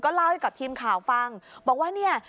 เล่าให้กับทีมข่าวฟังบอกว่าเนี่ย